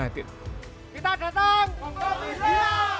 kita datang ke covid sembilan belas